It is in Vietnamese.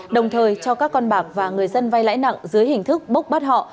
đồng thời cho các con bạc và người dân vay lãi nặng dưới hình thức bốc bắt họ